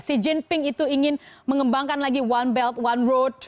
si jinping itu ingin mengembangkan lagi one belt one road